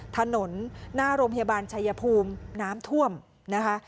ถนนหน้าโรงพยาบาลชายภูมิน้ำท่วมนะคะ